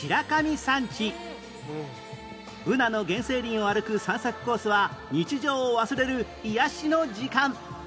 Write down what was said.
ブナの原生林を歩く散策コースは日常を忘れる癒やしの時間